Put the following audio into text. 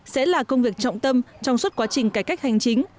sẽ là công việc trọng tâm trong suốt quá trình cải cách hành chính